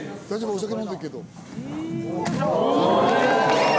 お酒飲んでっけど。